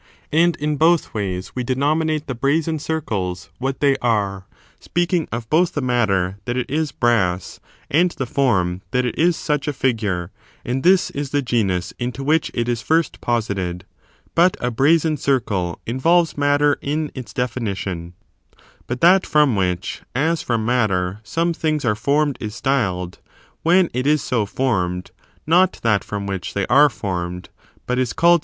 And in both ways we denominate the brazen circles w}iat they are, speaking of both the matter that it is brass, and the form that it is such a figure, and this is the genus into which it is first posited. But a brazen drcle inyolyes matter in its definition. 4. A miscon But that from which, as from matter, some mSrtit^arijie* things are formed is styled, when it is so formed, from this dog not that from which they are formed, but is ms obviated.